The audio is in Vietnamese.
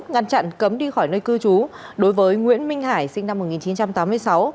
ngăn chặn cấm đi khỏi nơi cư trú đối với nguyễn minh hải sinh năm một nghìn chín trăm tám mươi sáu